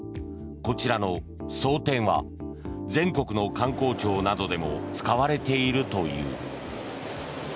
こちらの蒼天は全国の官公庁などでも使われているという。